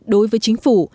đối với chính phủ